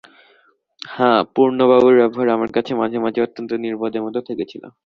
হাঁ, পূর্ণবাবুর ব্যবহার আমার কাছে মাঝে মাঝে অত্যন্ত নির্বোধের মতো ঠেকেছিল।